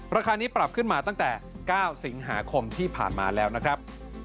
ราคานี้ปรับขึ้นมาตั้งแต่๙สิงหาคมที่ผ่านมาแล้วนะครับ